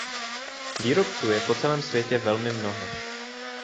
Výrobců je po celém světě velmi mnoho.